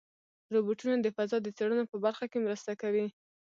روبوټونه د فضا د څېړنو په برخه کې مرسته کوي.